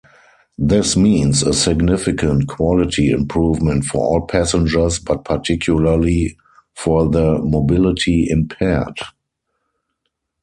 This means a significant quality improvement for all passengers but particularly for the mobility-impaired.